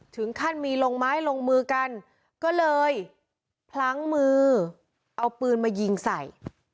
ถึงขั้นมีลงไม้ลงมือกันก็เลยพลั้งมือเอาปืนมายิงใส่